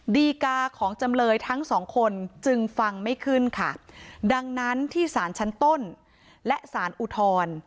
ดีกาของจำเลยทั้งสองคนจึงฟังไม่ขึ้นค่ะดังนั้นที่สารชั้นต้นและสารอุทธรณ์